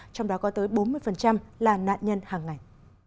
trong đó có tới bốn mươi là nạn nhân hàng ngày